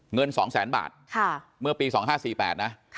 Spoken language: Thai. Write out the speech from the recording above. เงิน๒แสนบาทเมื่อปี๒๕๔๘นะ